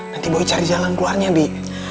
nanti boh cari jalan keluarnya bi